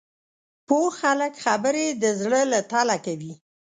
پوه خلک خبرې د زړه له تله کوي